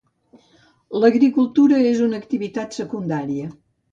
L'agricultura és una activitat secundària.